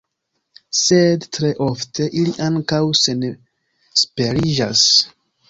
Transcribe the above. Sed tre ofte ili ankaŭ senesperiĝas.